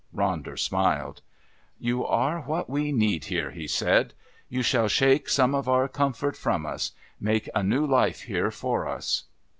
Ronder smiled. "You are what we need here," he said. "You shall shake some of our comfort from us make a new life here for us."